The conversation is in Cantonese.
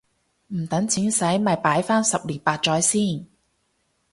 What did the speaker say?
唔等錢洗咪擺返十年八載先